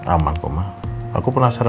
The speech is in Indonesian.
aman poma aku penasaran